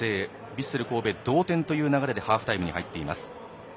ヴィッセル神戸が同点という流れでハーフタイムに入っています。